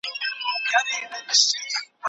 د بیلګې په توګه یو فقیر کس تصور کړئ.